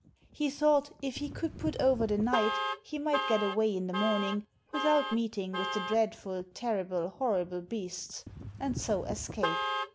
He thought, if he could put over the night, he might get away in the morning, without meeting with the dreadful, terrible, horrible beasts, and so escape.